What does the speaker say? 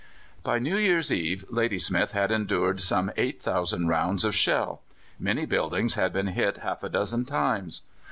By New Year's Eve Ladysmith had endured some 8,000 rounds of shell; many buildings had been hit half a dozen times.